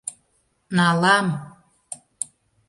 Налам!